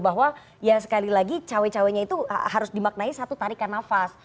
bahwa ya sekali lagi cawe cawenya itu harus dimaknai satu tarikan nafas